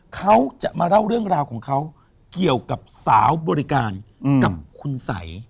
เขาจะมาเล่าเรื่องราวของเขาเกี่ยวกับสาวบริการกับคุณสัย